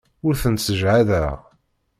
Ur tent-ssejhadeɣ.